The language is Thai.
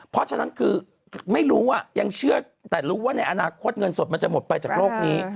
เพราะฉะนั้นคือไม่รู้ยังเชื่อแต่รู้ว่าในอนาคตเงินสดมันจะหมดไปจากโลกนี้